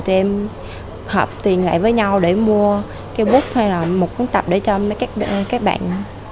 tụi em hợp tiền lại với nhau để mua cây bút hay là một cuốn tập để cho mấy các bạn